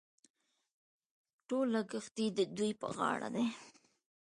ټول لګښت یې د دوی پر غاړه دي.